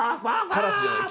カラスじゃない！